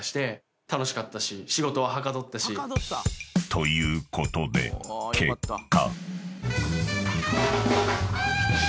［ということで結果］